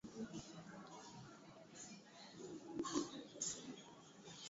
uti nayo tumekua miaka iliopita